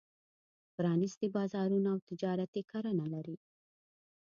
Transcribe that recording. پرانېستي بازارونه او تجارتي کرنه لري.